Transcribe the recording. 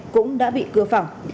cũng đã bị cưa phẳng